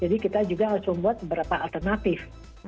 jadi kita juga harus membuat beberapa alternatif